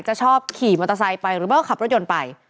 ชอบขี่มอเตอร์ไซค์ไปหรือไม่ก็ขับรถยนต์ไป